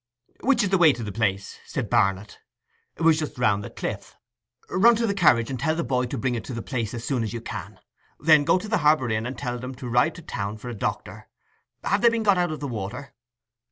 'Which is the way to the place?' said Barnet. It was just round the cliff. 'Run to the carriage and tell the boy to bring it to the place as soon as you can. Then go to the Harbour Inn and tell them to ride to town for a doctor. Have they been got out of the water?